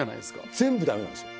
全部駄目なんですよ。